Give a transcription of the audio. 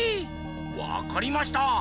わかりました！